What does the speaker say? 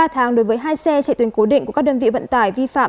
ba tháng đối với hai xe chạy tuyến cố định của các đơn vị vận tải vi phạm